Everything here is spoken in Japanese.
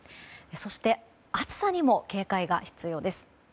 そして暑さにも警戒が必要です。